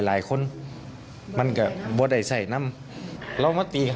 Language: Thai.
กล้ามปั่นไหมครับตีครับขันหลังตี